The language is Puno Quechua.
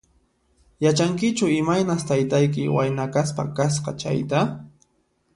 Yachankichu imaynas taytayki wayna kaspa kasqa chayta?